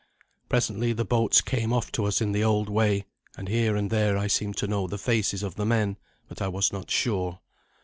Presently the boats came off to us in the old way, and here and there I seemed to know the faces of the men, but I was not sure.